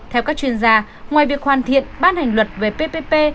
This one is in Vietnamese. theo các chuyên gia ngoài việc hoàn thiện ban hành luật về ppp